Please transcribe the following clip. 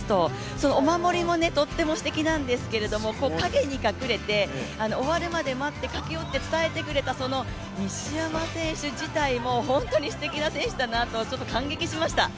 そのお守りもとってもすてきなんですけど陰に隠れて、終わるまで待ってから駆け寄って伝えてくれたその西山選手自体も本当にすてきな選手だなと感激しました。